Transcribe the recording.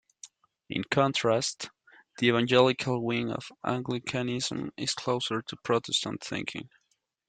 In contrast, the Evangelical wing of Anglicanism is closer to Protestant thinking.